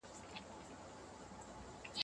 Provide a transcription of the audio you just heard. د خدماتو کچه به پراخه سي.